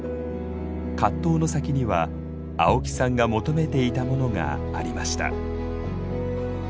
葛藤の先には青木さんが求めていたものがありました。